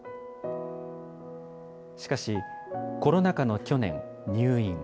しかし、コロナ禍の去年、入院。